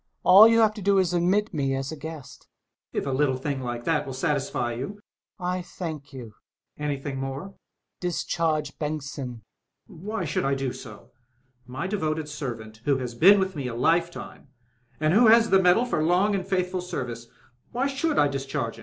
All you have to do is to admit me as a guest Colonel. If a little thing like that will satisfy you. , r r Hummel. I thank you. Colonel. Anything more? HxTMMEL. Discharge Bengtsson. Colonel. Why should I do so? My devoted servant, who has been with me a lifetime, and who has the medal for long and faithful service Why should I discharge him?